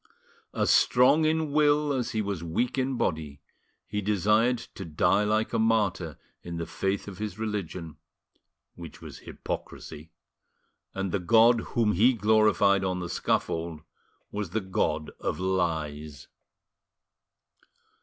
As strong in will as he was weak in body, he desired to die like a martyr in the faith of his religion, which was hypocrisy, and the God whom he gloried on the scaffold was the god of lies.